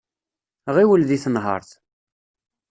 Ɣiwel deg tenhaṛt.